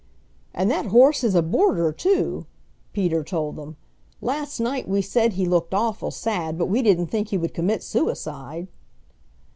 "And that horse is a boarder too!" Peter told them. "Last night we said he looked awful sad, but we didn't think he would commit suicide."